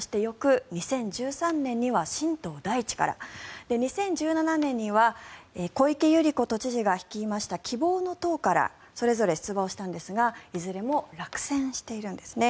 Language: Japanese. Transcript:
２０１２年は民主党から翌１３年には新党大地から２０１７年には小池百合子都知事が率いました希望の党からそれぞれ出馬をしたんですがいずれも落選しているんですね。